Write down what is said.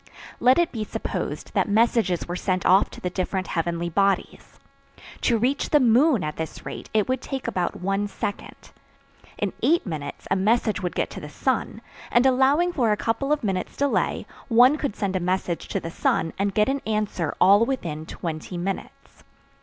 Let it be supposed that messages were sent off to the different heavenly bodies. To reach the moon at this rate it would take about one second. In eight minutes a message would get to the sun, and allowing for a couple of minutes' delay, one could send a message to the sun and get an answer all within twenty minutes.